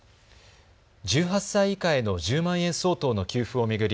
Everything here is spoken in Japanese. １８歳以下への１０万円相当の給付を巡り